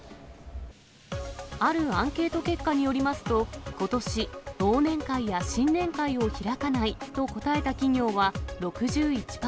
あるアンケート結果によりますと、ことし、忘年会や新年会を開かないと答えた企業は６１％。